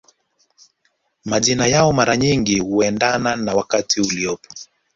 Majina yao mara nyingi huendana na wakati uliopo